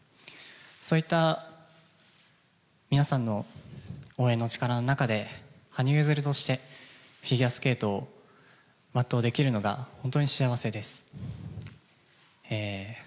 そういった皆さんの応援の力の中で、羽生結弦として、フィギュアスケートを全うできるのが、本当に幸せです。